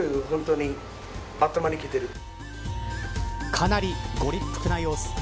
かなりご立腹な様子。